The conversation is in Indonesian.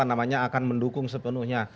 akan mendukung sepenuhnya